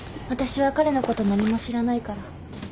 私は彼のこと何も知らないから。